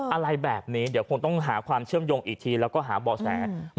อะไรแบบนี้เดี๋ยวคงต้องหาความเชื่อมโยงอีกทีแล้วก็หาบ่อแส